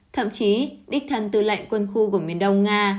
thậm chí đích thân tư lệnh quân khu của miền đông nga